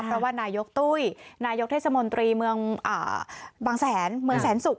เพราะว่านายกตุ้ยนายกเทศมนตรีเมืองบางแสนเมืองแสนศุกร์